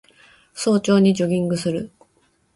早朝にジョギングする